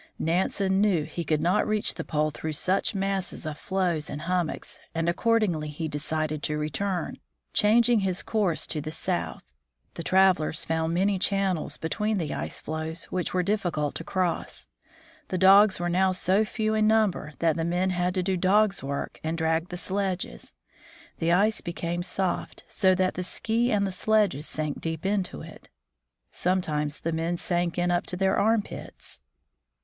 Nansen knew he could not reach the pole through such masses of floes and hum mocks, and accordingly he decided to return, changing his course to the south. The travelers found many channels between the ice floes, which were difficult to cross. The dogs were now so few in number that the men had to do dogs' work, and drag the sledges. The ice became soft, so that the ski and the sledges sank deep into it. Some times the men sank in up to their armpits.